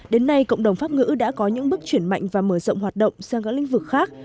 đến nay cộng đồng pháp ngữ đã có những bước chuyển mạnh và mở rộng hoạt động sang các lĩnh vực khác